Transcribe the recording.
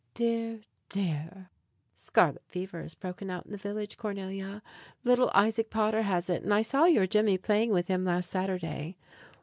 Dear! dear! Scarlet fever has broken out in the village, Cornelia. Little Isaac Potter has it, and I saw your Jimmy playing with him last Saturday.